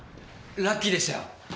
ラッキーでしたよ。